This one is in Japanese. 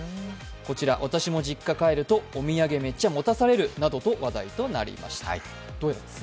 こちら私も実家帰るとお土産めっちゃ持たされると話題になりました。